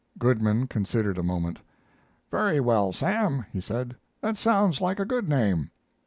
Goodman considered a moment: "Very well, Sam," he said, "that sounds like a good name."